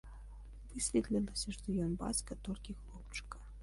Высветлілася, што ён бацька толькі хлопчыка.